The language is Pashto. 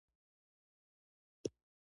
ځکه وزن او قافیه پکې شرط دی.